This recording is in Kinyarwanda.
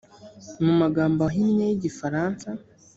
mu magambo ahinnye y’igifaransa